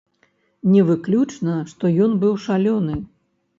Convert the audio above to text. Не выключана, што ён быў шалёны.